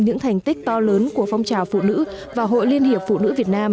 những thành tích to lớn của phong trào phụ nữ và hội liên hiệp phụ nữ việt nam